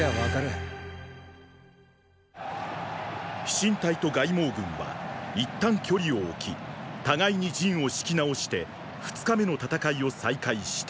飛信隊と凱孟軍は一旦距離を置き互いに陣を敷き直して二日目の戦いを再開した。